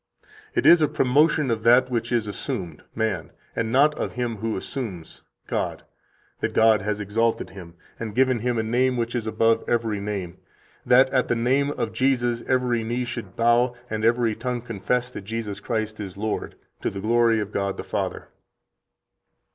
11: "It is a promotion of that which is assumed [man], and not of Him who assumes [God], that God has exalted Him, and given Him a name which is above every name, that at the name of Jesus every knee should bow, and every tongue confess that Jesus Christ is Lord, to the glory of God the Father."